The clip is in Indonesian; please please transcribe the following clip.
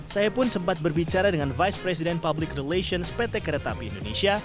saya pun sempat berbicara dengan vice president public relations pt kereta api indonesia